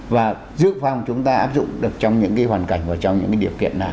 và giữ phòng chúng ta áp dụng được trong những cái hoàn cảnh và trong những cái điều kiện nào đó